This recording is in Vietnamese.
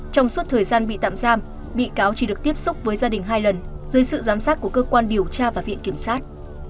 trong suốt thời gian bị tạm giam bị cáo chỉ được tiếp xúc với gia đình hai lần dưới sự giám sát của cơ quan điều tra và viện kiểm sát